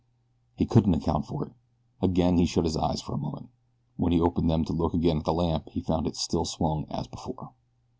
He couldn't account for it. Again he shut his eyes for a moment. When he opened them to look again at the lamp he found it still swung as before.